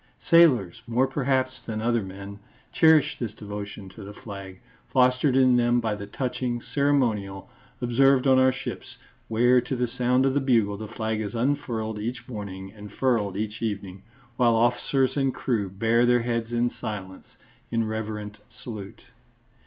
Sailors, more perhaps than other men, cherish this devotion to the flag, fostered in them by the touching ceremonial observed on our ships, where to the sound of the bugle the flag is unfurled each morning and furled each evening, while officers and crew bare their heads in silence, in reverent salute.